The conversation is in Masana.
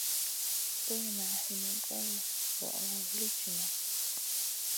Boyna hini goy voʼo li tihna.